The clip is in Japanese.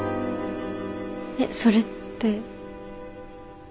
えっそれって？